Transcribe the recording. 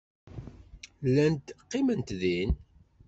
Llant qqiment din.